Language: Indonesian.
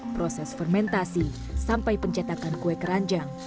proses fermentasi sampai pencetakan kue keranjang